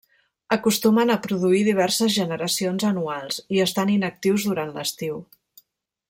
Acostumen a produir diverses generacions anuals, i estan inactius durant l'estiu.